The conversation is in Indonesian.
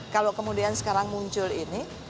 kalau kemudian sekarang muncul ini